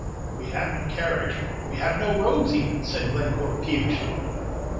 "We have no carriage, we have no roads, even," said Glencore, peevishly.